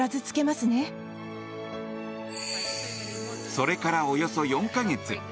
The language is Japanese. それから、およそ４か月。